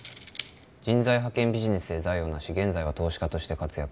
「人材派遣ビジネスで財を成し現在は投資家として活躍」